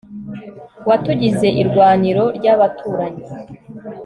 watugize irwaniro ry'abaturanyi